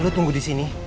lo tunggu di sini